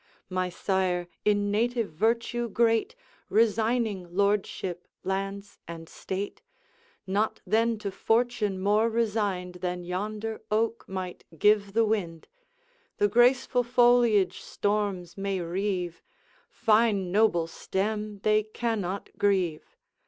My sire, in native virtue great, Resigning lordship, lands, and state, Not then to fortune more resigned Than yonder oak might give the wind; The graceful foliage storms may reeve, 'Fine noble stem they cannot grieve.